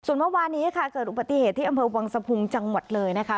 เมื่อวานี้ค่ะเกิดอุบัติเหตุที่อำเภอวังสะพุงจังหวัดเลยนะคะ